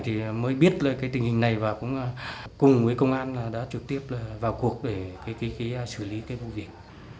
thì mới biết cái tình hình này và cũng cùng với công an đã trực tiếp vào cuộc để xử lý cái vụ việc